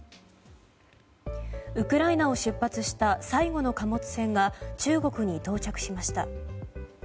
ウクライナを出発した最後の貨物船が中国に到着しました。